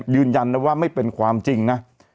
ยืนยันนะว่าไม่เป็นความจริงนะ